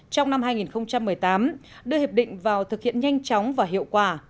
trong năm hai nghìn một mươi tám đưa hiệp định vào thực hiện nhanh chóng và hiệu quả